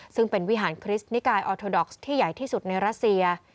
ซึ่งเป็นวิหารคริสต์นิกายออโทดอกซ์ที่ใหญ่ที่สุดในรัสเซีย